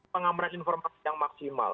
pengamanan informasi yang maksimal